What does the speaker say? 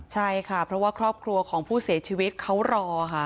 ใช่ค่ะเพราะว่าครอบครัวของผู้เสียชีวิตเขารอค่ะ